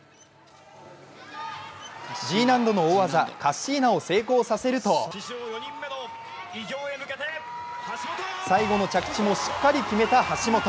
Ｇ難度の大技・カッシーナを成功させると最後の着地もしっかり決めた橋本。